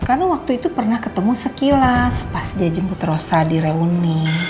karena waktu itu pernah ketemu sekilas pas dia jemput rosa di reuni